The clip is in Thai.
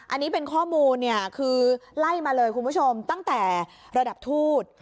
อันนี้เป็นข้อมูลเนี่ยคือไล่มาเลยคุณผู้ชมตั้งแต่ระดับทูต